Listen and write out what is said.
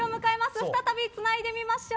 再びつないでみましょう。